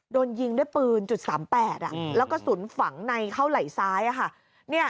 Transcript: โดนยิงด้วยปืน๓๘แล้วกระสุนฝังในเข้าไหล่ซ้ายค่ะ